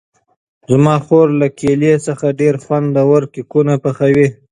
زما خور له کیلې څخه ډېر خوندور کېکونه پخوي.